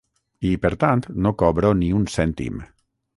I, per tant, no cobro ni un cèntim.